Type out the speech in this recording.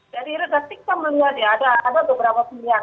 jadi rektiknya ada beberapa pilihan